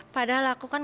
padahal aku kan